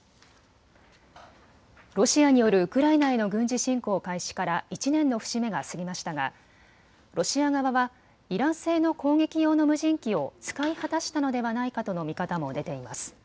ロシアによるウクライナへの軍事侵攻開始から１年の節目が過ぎましたがロシア側はイラン製の攻撃用の無人機を使い果たしたのではないかとの見方も出ています。